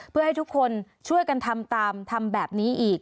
เพื่อให้ทุกคนช่วยกันทำตามทำแบบนี้อีก